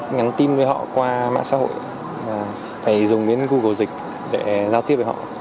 em vẫn nhắn tin với họ qua mạng xã hội và phải dùng đến google dịch để giao tiếp với họ